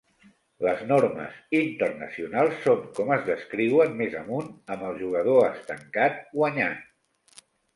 Les normes "internacionals" són com es descriuen més amunt, amb el jugador estancat guanyant.